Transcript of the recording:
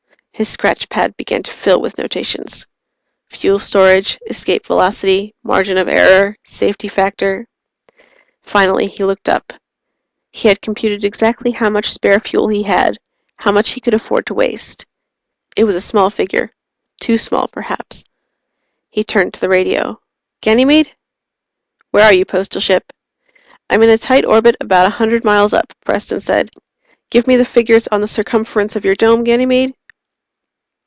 His scratch pad began to fill with notations. _Fuel storage _ _Escape velocity _ _Margin of error _ _Safety factor _ Finally he looked up. He had computed exactly how much spare fuel he had, how much he could afford to waste. It was a small figure too small, perhaps. He turned to the radio. "Ganymede?" "Where are you, Postal Ship?" "I'm in a tight orbit about a hundred miles up," Preston said. "Give me the figures on the circumference of your Dome, Ganymede?"